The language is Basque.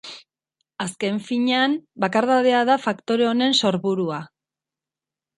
Azken finean, bakardadea da faktore honen sorburua.